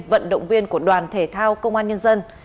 vận động viên của đoàn thể thao công an nhân dân